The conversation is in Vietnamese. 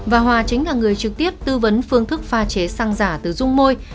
và hòa chính là người trực tiếp tư vấn phương thức pha chế xăng giả từ dung môi